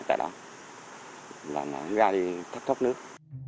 tại đó là nó ra đi thấp thấp nước